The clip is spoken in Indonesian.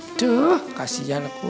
aduh kasihan aku